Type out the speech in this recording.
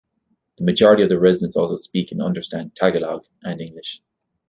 The majority of the residents also speak and understand Tagalog and English.